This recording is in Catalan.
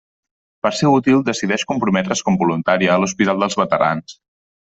Per ser útil, decideix comprometre's com voluntària a l'hospital dels veterans.